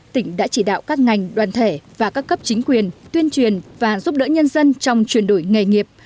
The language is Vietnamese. tỉnh đã chỉ đạo các ngành đoàn thể và các cấp chính quyền tuyên truyền và giúp đỡ nhân dân trong chuyển đổi nghề nghiệp